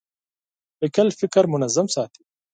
لیکل فکر منظم ساتي.